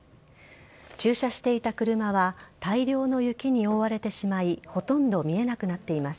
駐車していた車は、大量の雪に覆われてしまい、ほとんど見えなくなっています。